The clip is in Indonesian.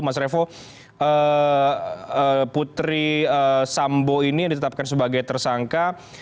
mas revo putri sambo ini yang ditetapkan sebagai tersangka